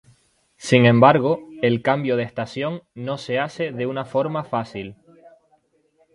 Sin embargo el cambio de estación no se hace de una forma fácil.